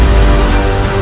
kau tak bisa menyembuhkan